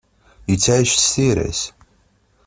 Yettεic s tira-s.